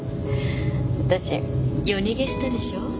私夜逃げしたでしょ？